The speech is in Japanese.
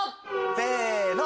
せの！